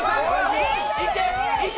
いけ！